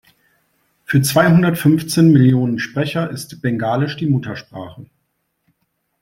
Für zweihundertfünfzehn Millionen Sprecher ist Bengalisch die Muttersprache.